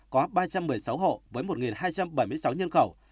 có ba trăm một mươi sáu hộ với một hai trăm bảy mươi sáu nhân khẩu